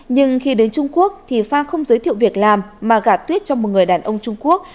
nhưng khi đến trung quốc thì pha không giới thiệu việc làm mà gả tuyết cho một người đàn ông trung quốc